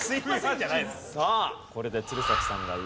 さあこれで鶴崎さんが上にきた。